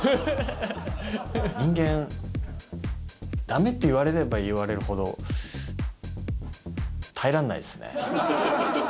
人間、だめって言われれば言われるほど、耐えられないですね。